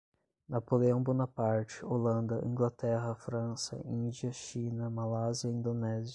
Napoleão Bonaparte, Holanda, Inglaterra, França, Índia, China, Malásia, Indonésia